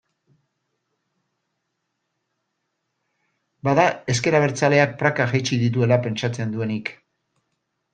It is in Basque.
Bada ezker abertzaleak prakak jaitsi dituela pentsatzen duenik.